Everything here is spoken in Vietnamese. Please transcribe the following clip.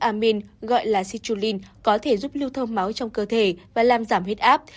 acid amine gọi là citrulline có thể giúp lưu thông máu trong cơ thể và làm giảm huyết áp